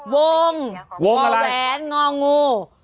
วงแหวนงองู